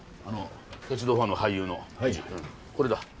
あの鉄道ファンの俳優のこれだ。